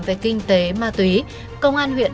về kinh tế ma túy công an huyện